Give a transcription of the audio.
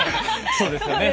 そうですよね。